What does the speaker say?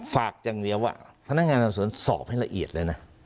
ฝากอย่างเดียวว่าพนักงานสอบสวนสอบให้ละเอียดเลยนะ